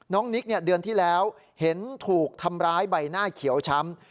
นิกเดือนที่แล้วเห็นถูกทำร้ายใบหน้าเขียวช้ำ